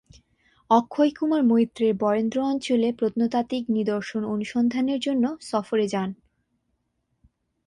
অক্ষয়কুমার মৈত্রেয় বরেন্দ্র অঞ্চলে প্রত্নতাত্ত্বিক নিদর্শন অনুসন্ধানের জন্য সফরে যান।